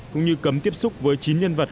cũng như cấm tiếp xúc với chín nhân vật